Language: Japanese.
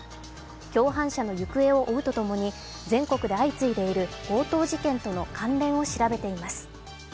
共犯者の行方を追うとともに全国で相次いでいる強盗事件との関連を調べています。